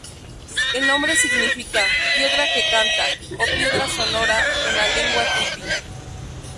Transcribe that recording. El nombre significa "piedra que canta" o "piedra sonora" en la lengua tupi.